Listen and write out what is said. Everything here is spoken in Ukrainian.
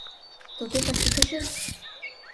То ти так і кажи!